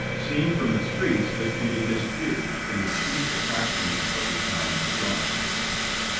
Seen from its streets this beauty disappears, and the chief attraction of the town is gone.